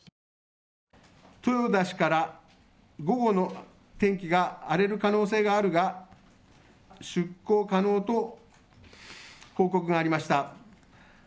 豊田氏から午後の天気が荒れる可能性があるが出航可能と報告がありました。